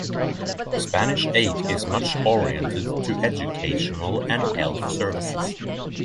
Spanish aid is much oriented to educational and health services.